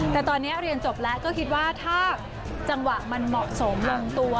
แต่ตอนนี้เรียนจบแล้วก็คิดว่าถ้าจังหวะมันเหมาะสมลงตัว